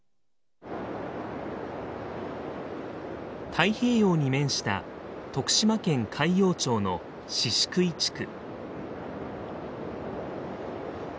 太平洋に面した徳島県海陽町の宍喰地区。